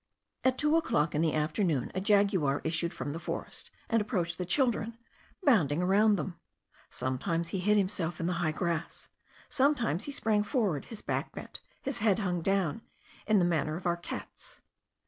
At two o'clock in the afternoon, a jaguar issued from the forest, and approached the children, bounding around them; sometimes he hid himself in the high grass, sometimes he sprang forward, his back bent, his head hung down, in the manner of our cats.